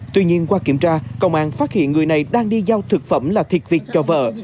tuy nhiên qua kiểm tra công an phát hiện người này đang đi giao thực phẩm là thiệt việt cho vợ